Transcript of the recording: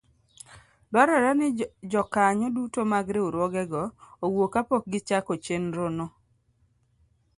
dwarore ni jokanyo duto mag riwruogego owuo kapok gichako chenrono.